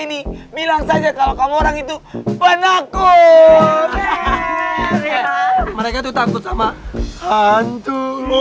ini bilang saja kalau kamu orang itu penaku mereka tuh takut sama hantu lo